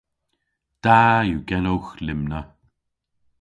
Da yw genowgh lymna.